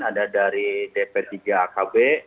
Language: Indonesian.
ada dari dpr tiga akb